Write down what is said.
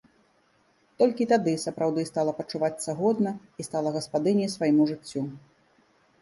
Толькі тады сапраўды стала пачувацца годна і стала гаспадыняй свайму жыццю.